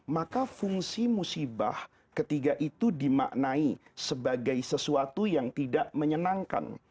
maka fungsi musibah ketiga itu dimaknai sebagai sesuatu yang tidak menyenangkan